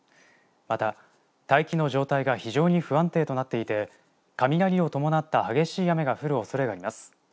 また大気の状態が非常に不安定となっていて雷を伴った激しい雨が降るおそれがあります。